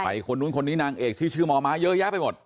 คนนู้นคนนี้นางเอกชื่อชื่อมม้าเยอะแยะไปหมด